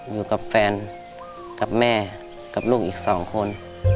อยู่กับแฟนกับแม่กับลูกอีกสองคน